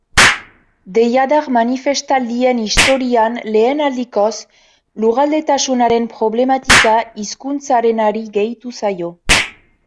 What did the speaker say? Deiadar manifestaldien historian lehen aldikoz, lurraldetasunaren problematika hizkuntzarenari gehitu zaio.